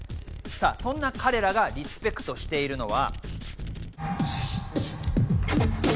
そんな彼らがリスペクトしているのは。